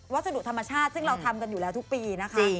ดุธรรมชาติซึ่งเราทำกันอยู่แล้วทุกปีนะคะ